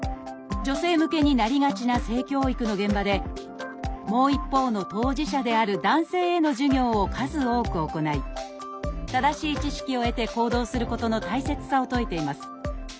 女性向けになりがちな性教育の現場でもう一方の当事者である男性への授業を数多く行い正しい知識を得て行動することの大切さを説いています。